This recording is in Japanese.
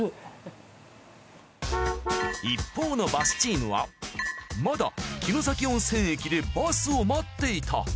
一方のバスチームはまだ城崎温泉駅でバスを待っていた。